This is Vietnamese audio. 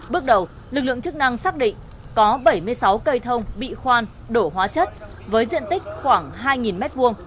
bước đầu lực lượng chức năng xác định có bảy mươi sáu cây thông bị khoan đổ hóa chất với diện tích khoảng hai m hai